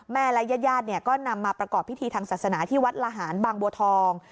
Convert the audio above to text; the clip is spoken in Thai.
และญาติญาติก็นำมาประกอบพิธีทางศาสนาที่วัดละหารบางบัวทอง